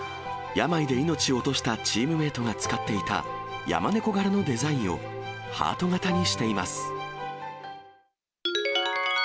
病で命を落としたチームメートが使っていた山猫柄のデザインを、ハート形にしています。